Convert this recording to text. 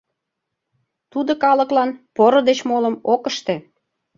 Тудо калыклан поро деч молым ок ыште.